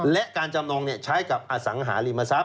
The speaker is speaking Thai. และการจำนองใช้กับอสังหาริมทรัพย